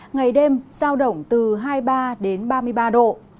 ngày đêm giao động từ hai mươi ba đến ba mươi ba độ